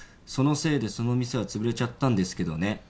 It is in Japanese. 「そのせいでその店は潰れちゃったんですけどね」